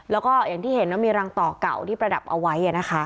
และมีรังต่อก่่าวที่ประดับเอาไว้